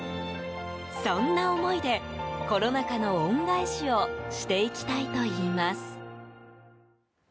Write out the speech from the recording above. そんな思いでコロナ禍の恩返しをしていきたいといいます。